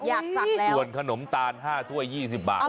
ศักดิ์แล้วส่วนขนมตาล๕ถ้วย๒๐บาท